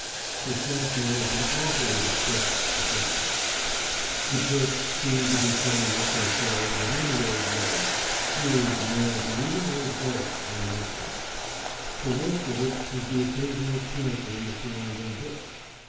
The shrapnel is an awfully destructive projectile. The Turks seem to be filling up their shells with any old rubbish screws, nails, and even old bolts came in a shell. The worst of it is the occasional sniper in the surrounding bush.